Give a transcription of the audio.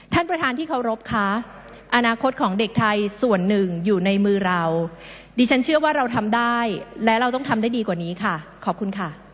ท่านประธานที่เคารพคะอนาคตของเด็กไทยส่วนหนึ่งอยู่ในมือเราดิฉันเชื่อว่าเราทำได้และเราต้องทำได้ดีกว่านี้ค่ะขอบคุณค่ะ